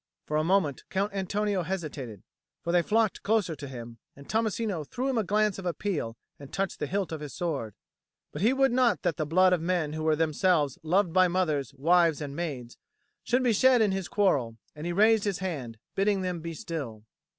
For a moment Count Antonio hesitated; for they flocked closer to him, and Tommasino threw him a glance of appeal and touched the hilt of his sword. But he would not that the blood of men who were themselves loved by mothers, wives, and maids, should be shed in his quarrel, and he raised his hand, bidding them be still.